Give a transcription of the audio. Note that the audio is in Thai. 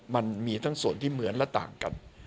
มันมีทั้งส่วนที่เหมือนและต่างกัน